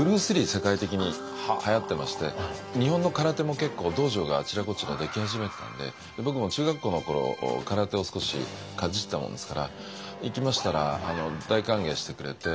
世界的にはやってまして日本の空手も結構道場があちらこちら出来始めてたんで僕も中学校の頃空手を少しかじったもんですから行きましたら大歓迎してくれて。